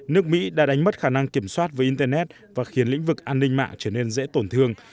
nước mỹ đã đánh mất khả năng kiểm soát với internet và khiến lĩnh vực an ninh mạng trở nên dễ tổn thương